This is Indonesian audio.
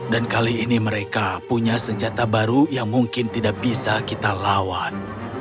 dan kali ini mereka punya senjata baru yang mungkin tidak bisa kita lawan